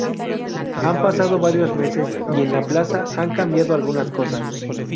Han pasado varios meses, y en la plaza han cambiado algunas cosas.